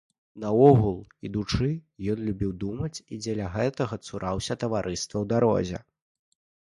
Наогул, ідучы, ён любіў думаць і дзеля гэтага цураўся таварыства ў дарозе.